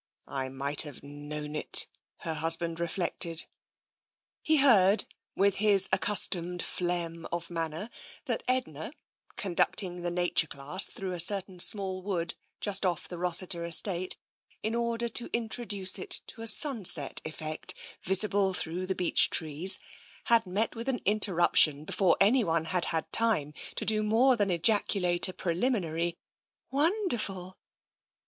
" I might have known it," her husband reflected. He heard with his accustomed phlegm of manner, that Edna, conducting the nature class through a cer tain small wood just off the Rossiter estate, in order to introduce it to a sunset effect visible through the beech trees, had met with an interruption before anyone had had time to do more than ejaculate a preliminary " Wonderful